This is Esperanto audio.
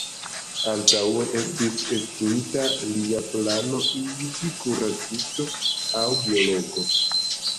Antaŭe estis estinta lia plano iĝi kuracisto aŭ biologo.